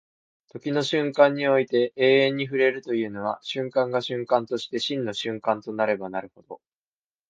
時の瞬間において永遠に触れるというのは、瞬間が瞬間として真の瞬間となればなるほど、